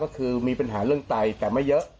ก็คือมีปัญหาเรื่องไตแต่ไม่เยอะ